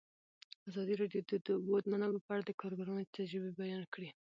ازادي راډیو د د اوبو منابع په اړه د کارګرانو تجربې بیان کړي.